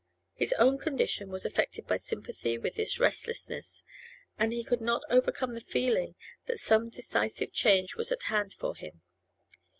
His own condition was affected by sympathy with this restlessness, and he could not overcome the feeling that some decisive change was at hand for him.